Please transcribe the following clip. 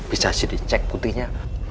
bisa sih di cek putihnya